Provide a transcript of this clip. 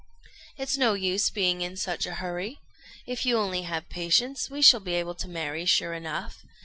"It's no use being in such a hurry. If you only have patience, we shall be able to marry, sure enough.